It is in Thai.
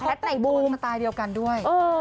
คู่เพราะสักปีใหม่มาตายเดียวกันด้วย